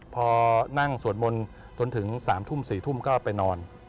พอนั่งสวดมนต์จนถึง๓ทุ่ม๔ทุ่มก็ไปนอน